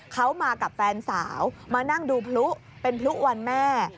เขามากับแฟนสาวมานั่งดูพลุเป็นพลุวันแม่